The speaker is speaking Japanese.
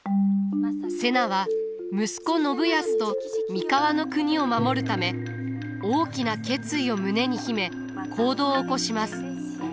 瀬名は息子信康と三河国を守るため大きな決意を胸に秘め行動を起こします。